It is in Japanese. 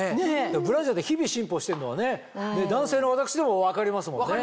ブラジャーって日々進歩してんのはね男性の私でも分かりますもんね。